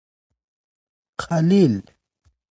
خلیل